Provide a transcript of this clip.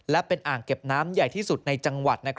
และเป็นอ่างเก็บน้ำใหญ่ที่สุดในจังหวัด